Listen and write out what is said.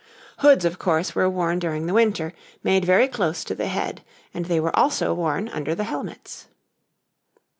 Hoods, of course, were worn during the winter, made very close to the head, and they were also worn under the helmets.